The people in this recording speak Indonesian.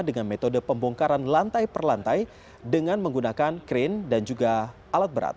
dengan metode pembongkaran lantai per lantai dengan menggunakan krain dan juga alat berat